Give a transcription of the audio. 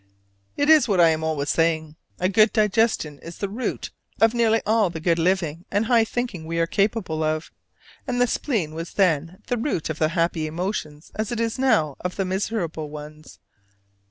It is what I am always saying a good digestion is the root of nearly all the good living and high thinking we are capable of: and the spleen was then the root of the happy emotions as it is now of the miserable ones.